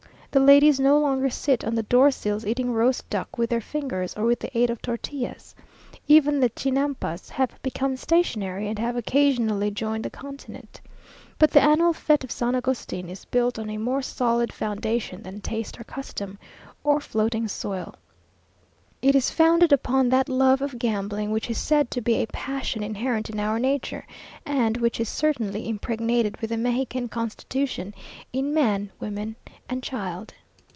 The ladies no longer sit on the door sills, eating roast duck with their fingers, or with the aid of tortillas. Even the Chinampas have become stationary, and have occasionally joined the continent. But the annual fête of San Agustin is built on a more solid foundation than taste or custom, or floating soil. It is founded upon that love of gambling, which is said to be a passion inherent in our nature, and which is certainly impregnated with the Mexican constitution, in man, woman, and child.